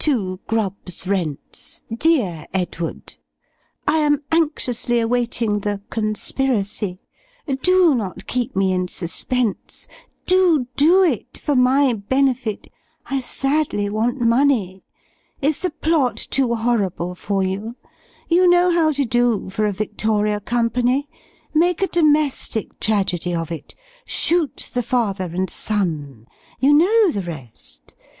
2, Grubb's Rents. "DEAR EDWARD, "I am anxiously awaiting the 'Conspiracy,' do not keep me in suspense! do DO it, for my benefit. I sadly want money. Is the plot too horrible for you! you know how to do for a 'Victoria' company! make a domestic tragedy of it shoot the father and son! you know the rest.